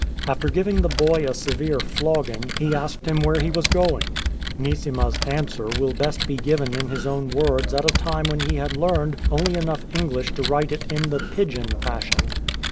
After givhig the boy a severe flogging, he asked him where he was going. Neesima's answer will best be given in his own words at a time when he had learned only enough English to write it in the " pidgin " fashion.